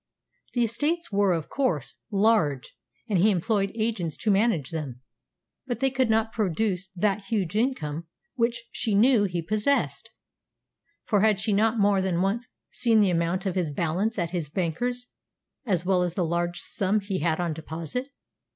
The estates were, of course, large, and he employed agents to manage them; but they could not produce that huge income which she knew he possessed, for had she not more than once seen the amount of his balance at his banker's as well as the large sum he had on deposit?